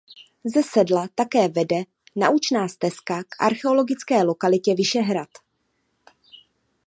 Ze sedla také vede naučná stezka k archeologické lokalitě Vyšehrad.